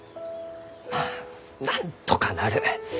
まあなんとかなる。